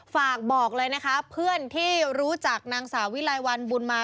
ฝากบอกเลยนะคะเพื่อนที่รู้จักนางสาววิลัยวันบุญมา